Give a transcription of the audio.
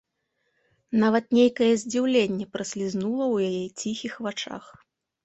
Нават нейкае здзіўленне праслізнула ў яе ціхіх вачах.